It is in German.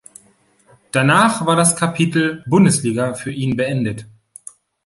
Danach war das Kapitel Bundesliga für ihn beendet.